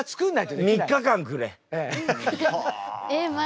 ３日間くれ。